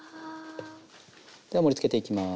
では盛りつけていきます。